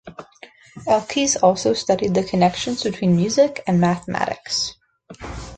Elkies also studies the connections between music and mathematics.